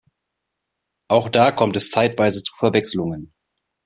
Auch da kommt es zeitweise zu Verwechslungen.